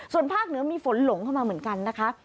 ส่วนภาคเหนือมีฝนหลงเข้ามาเหมือนกันนะคะ